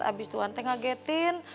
abis tuhan teh ngagetin